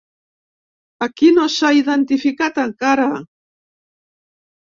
A qui no s'ha identificat encara?